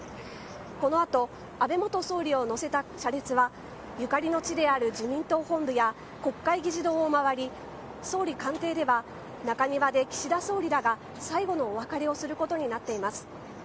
このあと安倍元総理を乗せた車列はゆかりの地である自民党本部や国会議事堂を回り総理官邸では中庭で岸田総理らが最後のお別れをすることになっています。